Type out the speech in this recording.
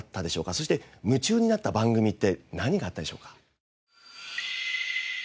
そして夢中になった番組って何があったでしょうか？